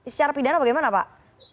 secara pidana bagaimana pak